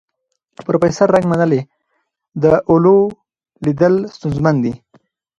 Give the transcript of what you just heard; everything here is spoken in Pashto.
پروفیسور نګ منلې ده، د اولو لیدل ستونزمن دي.